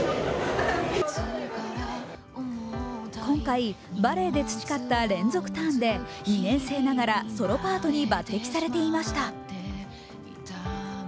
今回、バレエで培った連続ターンで２年生ながらソロパートに抜てきされていました。